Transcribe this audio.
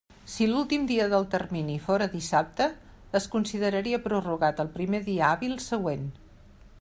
Si l'últim dia del termini fóra dissabte, es consideraria prorrogat al primer dia hàbil següent.